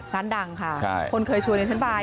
ร้านดังค่ะคนเคยช่วยในชั้นบาย